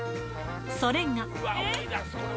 それが。